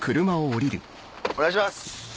お願いします。